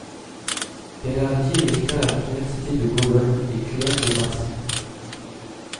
Berardi est lecteur à l'université de Bologne et clerc de Marsi.